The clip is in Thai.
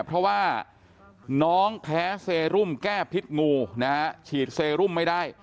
เพราะว่าน้องแพ้เซรุมแก้พิษงูนะฮะฉีดเซรุมไม่ได้